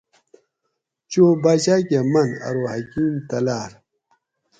چو باچا کہ من ارو حکیم تلار